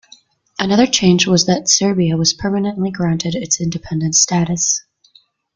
Another change was that Serbia was permanently granted its independent status.